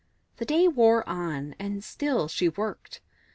The day wore on, and still she worked.